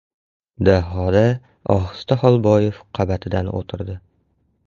Dahoda ohista Xolboyev qabatidan o‘tirdi.